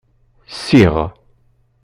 Siɣ.